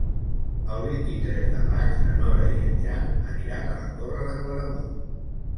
El vint-i-tres de maig na Nora i en Jan aniran a la Torre de Claramunt.